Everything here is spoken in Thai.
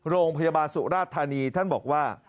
โรงพยาบาลสุราธานีท่านบอกว่า